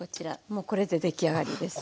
もうこれで出来上がりです。